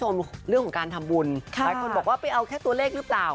หายคนบอกว่าไปเอาแค่ตัวเลขรึเปล่า